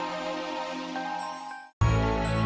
sekarang masalah itu odot chol